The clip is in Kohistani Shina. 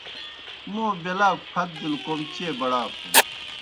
موں بیلاکوْ پھت بِلوْ کوْم چیئے بڑاسُن۔